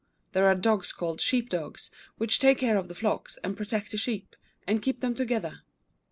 There are dogs called sheep dogs, which take care of the flocks, and protect the sheep, and keep them together.